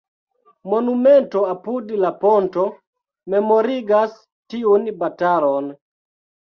Monumento apud la ponto memorigas tiun batalon.